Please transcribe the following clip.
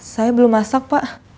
saya belum masak pak